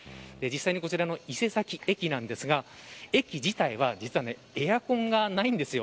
実際にこちらの伊勢崎駅ですが駅自体はエアコンがないんです。